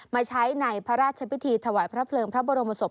มาใช้ในพระราชพิธีถวายพระเพลิงพระบรมศพ